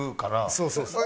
そうそうそう。